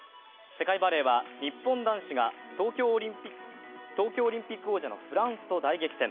世界バレーは日本男子が東京オリンピック王者のフランスと大激戦。